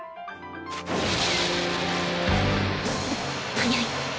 速い！